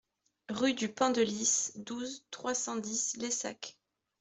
Rue du Pendelys, douze, trois cent dix Laissac